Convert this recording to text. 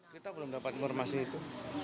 kita belum dapat informasi itu